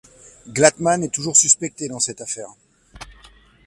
Glatman est toujours suspecté dans cette affaire.